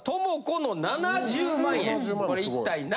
これ一体何？